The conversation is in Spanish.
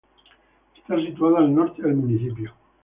Está situada al norte del municipio.